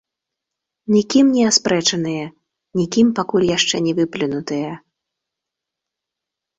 Нікім не аспрэчаныя, нікім пакуль яшчэ не выплюнутыя.